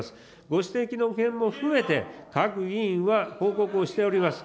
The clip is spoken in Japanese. ご指摘の件も含めて、各議員は報告をしております。